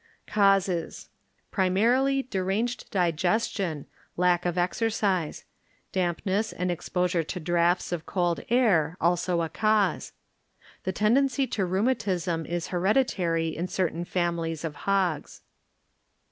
Causes. ŌĆö Primarily deranged digestion, lack of exercise; dampness and exposure to draughts of cold air also a cause. The tendency to rheumatism is heredi tary in certain families of hogs.